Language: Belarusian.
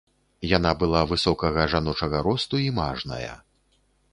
Яна была высокага жаночага росту і мажная.